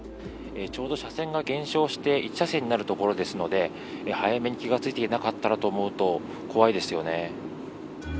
ちょうど車線が減少して１車線になる所だったので早めに気が付いていなかったらと思うと怖いですよね。